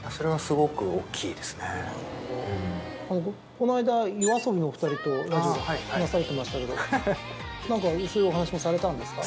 この間ＹＯＡＳＯＢＩのお２人とラジオで話されてましたけどそういうお話もされたんですか？